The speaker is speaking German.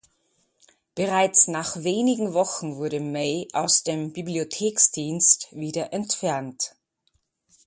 Bereits nach wenigen Wochen wurde May aus dem Bibliotheksdienst wieder entfernt.